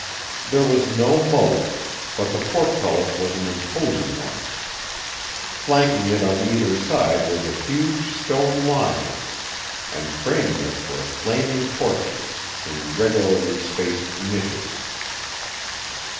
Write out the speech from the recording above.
There was no moat, but the portcullis was an imposing one. Flanking it on either side was a huge stone lion, and framing it were flaming torches in regularly spaced niches.